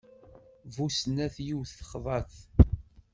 Bu snat, yiwet texḍa-t.